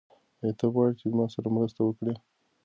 ایا ته غواړې چې زما سره مرسته وکړې؟